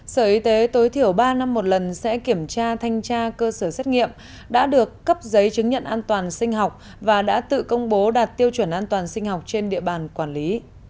sở y tế tối thiểu ba năm một lần sẽ kiểm tra thanh tra cơ sở xét nghiệm đã được cấp giấy chứng nhận an toàn sinh học và đã tự công bố đạt tiêu chuẩn an toàn sinh học trên địa bàn quản lý